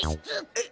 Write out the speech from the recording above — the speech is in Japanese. えっ。